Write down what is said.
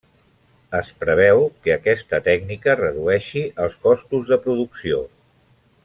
Es preveu que aquesta tècnica redueixi els costos de producció.